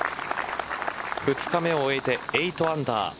２日目を終えて８アンダー。